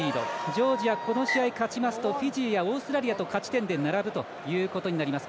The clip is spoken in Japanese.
ジョージア、この試合勝ちますとフィジーやオーストラリアと勝ち点で並ぶことになります。